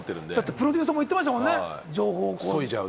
プロデューサーも言ってましたもんね。